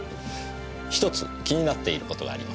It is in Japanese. ひとつ気になっている事があります。